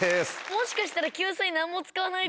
もしかしたら何も。